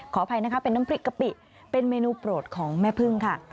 ขออภัยนะคะเป็นน้ำพริกกะปิเป็นเมนูโปรดของแม่พึ่งค่ะ